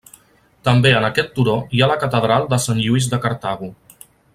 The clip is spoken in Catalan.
També en aquest turó hi ha la catedral de Sant Lluís de Cartago.